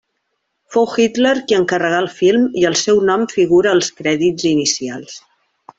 Fou Hitler qui encarregà el film i el seu nom figura als crèdits inicials.